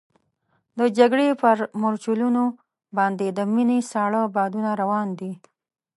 د جګړې پر مورچلونو باندې د مني ساړه بادونه روان دي.